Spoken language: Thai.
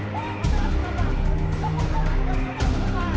โปรดติดตามต่อไป